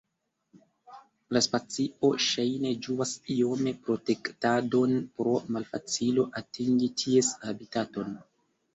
La specio ŝajne ĝuas iome protektadon pro malfacilo atingi ties habitaton.